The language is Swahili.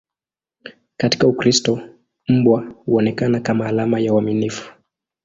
Katika Ukristo, mbwa huonekana kama alama ya uaminifu.